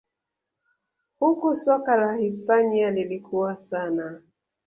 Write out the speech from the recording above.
Huku soka la Hispania lilikua sana